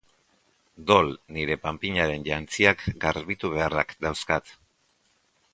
Doll nire panpinarenen jantziak garbitu beharrak dauzkat.